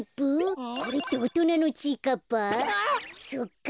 そっか。